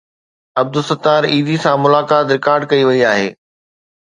عبدالستار ايڌي سان ملاقات رڪارڊ ڪئي وئي آهي.